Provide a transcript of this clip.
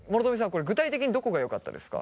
これ具体的にどこがよかったですか？